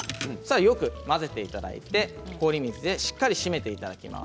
よく混ぜていただいて氷水でしっかり締めていきます。